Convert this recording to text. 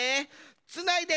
「つないで！